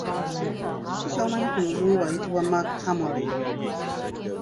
Kiki ky’omanyi ku muzungu ayitibwa Mark Amory?